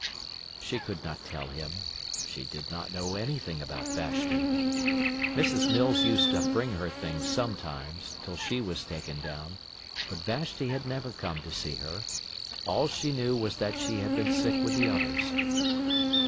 She could not tell him, she did not know anything about Vashti. Mrs. Mills used to bring her things sometimes, till she was taken down, but Vashti had never come to see her; all she knew was that she had been sick with the others.